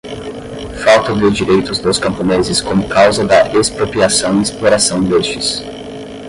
falta de direitos dos camponeses como causa da expropriação e exploração destes